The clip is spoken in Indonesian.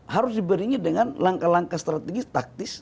harus diberinya dengan langkah langkah strategis taktis